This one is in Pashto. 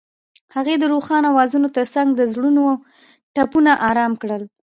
هغې د روښانه اوازونو ترڅنګ د زړونو ټپونه آرام کړل.